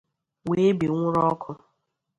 wee binwuru ọkụ